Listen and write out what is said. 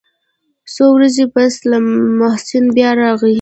څو ورځې پس ته محسن بيا راغى.